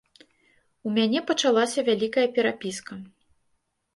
У мяне пачалася вялікая перапіска.